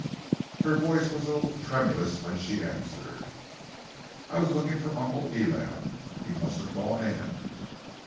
Her voice was a little tremulous when she answered: "I was looking for Uncle Elam. He must have gone in."